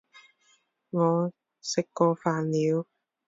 我吃过饭了